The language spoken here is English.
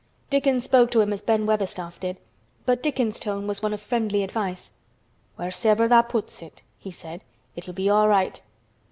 Dickon spoke to him as Ben Weatherstaff did, but Dickon's tone was one of friendly advice. "Wheres'ever tha' puts it," he said, "it'll be all right.